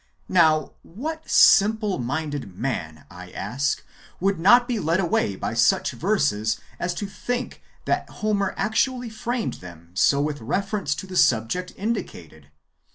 Now, what simple minded man, I ask, would not be led away by such verses as these to think that Homer actually framed them so with reference to the subject indicated